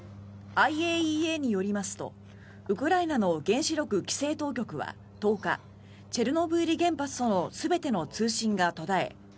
ＩＡＥＡによりますとウクライナの原子力規制当局は１０日チェルノブイリ原発との全ての通信が途絶え